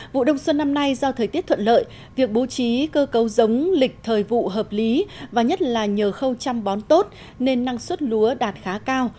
vụ đông xuân năm nay do thời tiết thuận lợi việc bố trí cơ cấu giống lịch thời vụ hợp lý và nhất là nhờ khâu chăm bón tốt nên năng suất lúa đạt khá cao